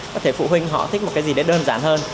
có thể phụ huynh họ thích một cái gì đấy đơn giản hơn